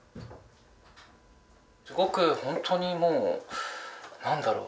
すごく本当にもう何だろう